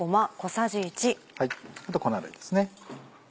あと粉類ですね。